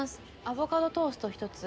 アボカドトーストひとつ。